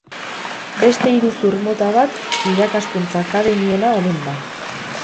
Beste iruzur mota bat irakaskuntza akademiena omen da.